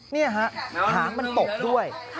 นี่ฮะหางมันตกด้วย